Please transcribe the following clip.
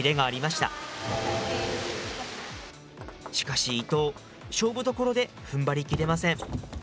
しかし、伊藤、勝負どころでふんばりきれません。